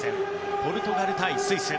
ポルトガル対スイス。